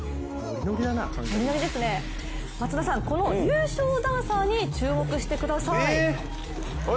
松田さん、この優勝ダンサーに注目してください。